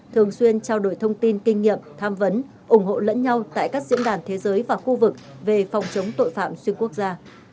thường xuyên trao đổi thông tin kinh nghiệm tham vấn ủng hộ lẫn nhau tại các diễn đàn thế giới và khu vực về phòng chống tội phạm xuyên quốc gia